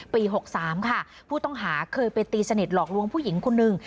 ๖๓ค่ะผู้ต้องหาเคยไปตีสนิทหลอกลวงผู้หญิงคนหนึ่ง